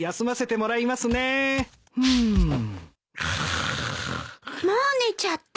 もう寝ちゃった。